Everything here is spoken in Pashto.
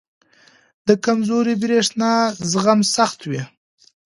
• د کمزوري برېښنا زغم سخت وي.